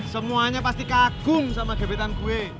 semuanya pasti kagum sama gebetan gue